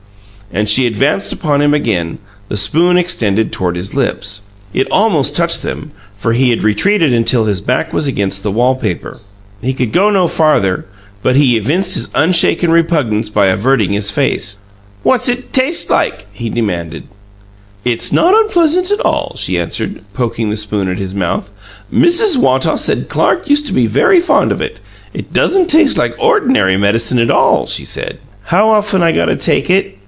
And she advanced upon him again, the spoon extended toward his lips. It almost touched them, for he had retreated until his back was against the wall paper. He could go no farther; but he evinced his unshaken repugnance by averting his face. "What's it taste like?" he demanded. "It's not unpleasant at all," she answered, poking the spoon at his mouth. "Mrs. Wottaw said Clark used to be very fond of it. It doesn't taste like ordinary medicine at all,' she said." "How often I got to take it?"